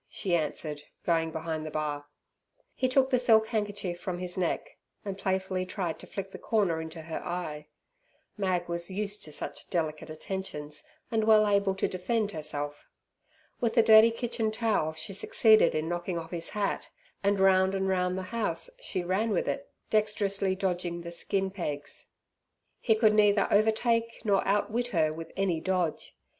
she answered, going behind the bar. He took the silk handkerchief from his neck, and playfully tried to flick the corner into her eye. Mag was used to such delicate attentions and well able to defend herself. With the dirty kitchen towel she succeeded in knocking off his hat, and round and round the house she ran with it dexterously dodging the skin pegs. He could neither overtake nor outwit her with any dodge.